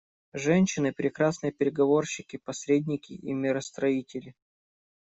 Женщины — прекрасные переговорщики, посредники и миростроители.